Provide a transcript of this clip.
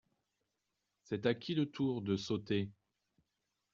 C’est à qui le tour de sauter ?